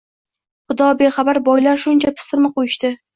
Xudobexabar boylar shuncha pistirma qo‘yishdi